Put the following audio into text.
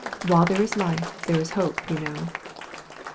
While there is life there's hope, you know."